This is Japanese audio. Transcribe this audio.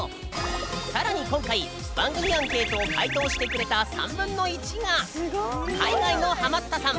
更に今回番組アンケートを回答してくれた３分の１が海外のハマったさん。